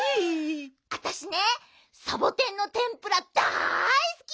あたしねサボテンのてんぷらだいすき！